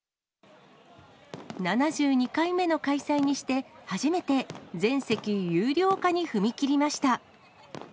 ７２回目の開催にして、初めて全席有料化に踏み切りました。